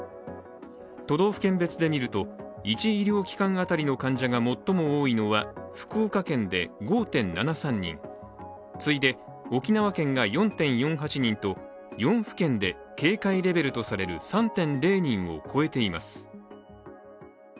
都道府県別で見ると、１医療機関当たりの患者が最も多いのは福岡県で５．７３人、次いで沖縄県が４．４８人と４府県で警戒レベルとされる３．０人を超えています。